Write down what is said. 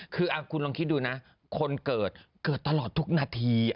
คือคุณลองคิดดูนะคนเกิดเกิดตลอดทุกนาที